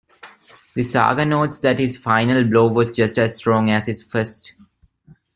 The saga notes that his final blow was just as strong as his first.